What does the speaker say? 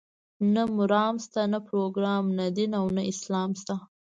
نه مرام شته، نه پروګرام، نه دین او نه اسلام شته.